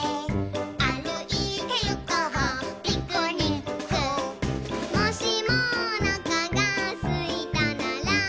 「あるいてゆこうピクニック」「もしもおなかがすいたなら」